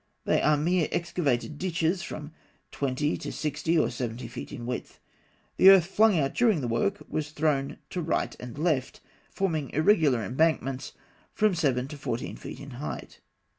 They are mere excavated ditches, from twenty to sixty or seventy feet in width. The earth flung out during the work was thrown to right and left, forming irregular embankments from seven to fourteen feet in height.